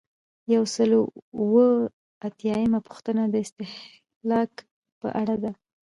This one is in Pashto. یو سل او اووه اتیایمه پوښتنه د استهلاک په اړه ده.